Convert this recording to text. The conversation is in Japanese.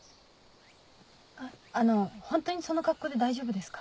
あの本当にその格好で大丈夫ですか？